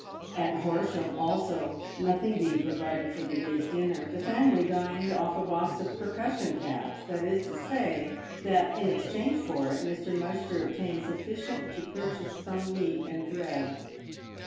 At Horsham, also, nothing being provided for the day's dinner, the family dined off a box of percussion caps — that is to say, that in exchange for it Mr. Mudgster obtained sufficient to purchase some meat and bread.